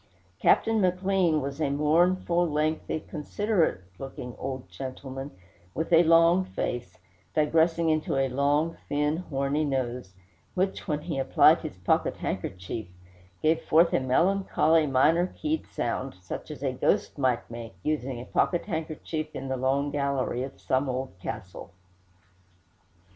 Captain McLean was a mournful, lengthy, considerate looking old gentleman, with a long face, digressing into a long, thin, horny nose, which, when he applied his pocket handkerchief, gave forth a melancholy, minor keyed sound, such as a ghost might make, using a pocket handkerchief in the long gallery of some old castle.